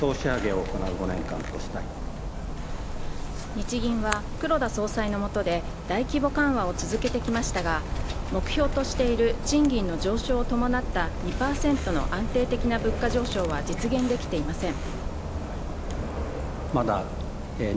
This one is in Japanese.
日銀は黒田総裁の下で大規模緩和を続けてきましたが目標としている賃金の上昇を伴った２％の安定的な物価上昇は実現できていません。